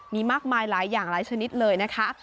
มีมากมายหลายอย่างหลายชนิดเลยนะคะ